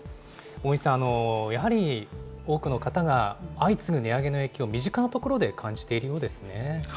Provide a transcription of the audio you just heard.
小國さん、やはり多くの方が相次ぐ値上げの影響、身近なところで感じているようですね。